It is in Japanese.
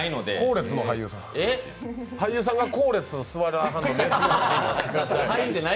俳優さんが後列座らはるの珍しい。